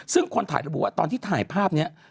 ซึ่งคนถ่ายภาพวิวตอนที่ถ่ายภาพเนี่ย